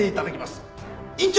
院長！